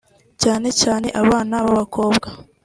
cyane cyane abana b’abakobwa